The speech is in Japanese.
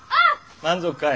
満足かい？